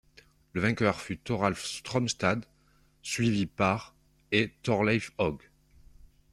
Le vainqueur fut Thoralf Strømstad, suivi par et Thorleif Haug.